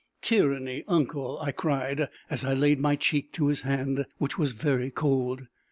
"Tyranny, uncle!" I cried, as I laid my cheek to his hand, which was very cold.